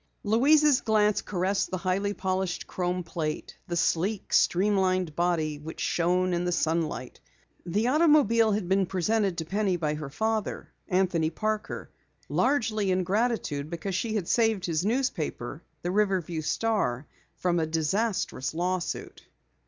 Louise's glance caressed the highly polished chrome plate, the sleek, streamlined body which shone in the sunlight. The automobile had been presented to Penny by her father, Anthony Parker, largely in gratitude because she had saved his newspaper, The Riverview Star, from a disastrous law suit.